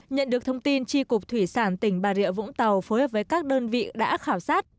nhận được thông tin tri cục thủy sản tỉnh bà rịa vũng tàu phối hợp với các đơn vị đã khảo sát